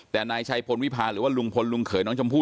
แต่นายชัยพลวิพาหรือว่าลุงพลลุงเขยน้องชมพู่